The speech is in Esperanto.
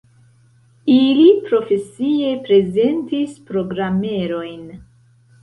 Ili profesie prezentis programerojn.